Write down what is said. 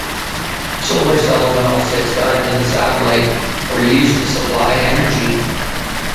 Solar cells on all six sides of the satellite were used to supply energy.